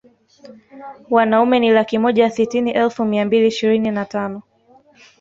Wanaume ni laki moja sitini elfu mia mbili ishirini na tano